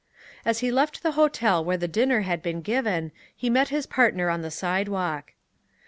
As he left the hotel where the dinner had been given, he met his partner on the sidewalk.